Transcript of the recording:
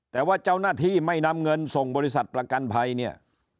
แต่ว่าเจ้าหน้าที่ไม่นำเงินส่งบริษัทประกันภัยเนี่ย